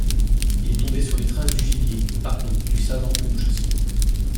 Il est tombé sur les traces du gibier, – pardon, du savant que nous chassons.